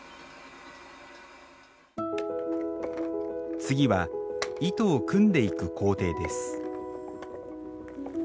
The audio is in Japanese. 次は糸を組んでいく工程です